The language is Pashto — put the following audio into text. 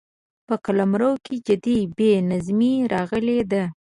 په قلمرو کې جدي بې نظمي راغلې ده.